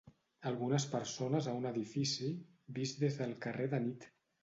Algunes persones a un edifici vist des del carrer de nit.